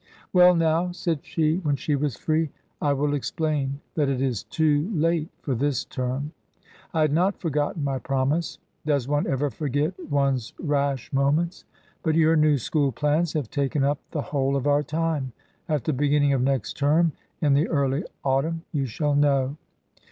" Well, now," said she, when she was free, " I will ex plain that it is too late for this term. I had not forgotten my promise — does one ever forget one's rash moments ? But your new school plans have taken up the whole of our time. At the beginning of next term, in the early autumn, you shall know."